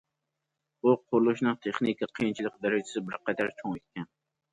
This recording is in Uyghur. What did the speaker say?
بۇ قۇرۇلۇشنىڭ تېخنىكا قىيىنلىق دەرىجىسى بىرقەدەر چوڭ ئىكەن.